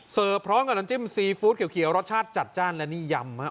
พร้อมกับน้ำจิ้มซีฟู้ดเขียวรสชาติจัดจ้านและนี่ยำฮะ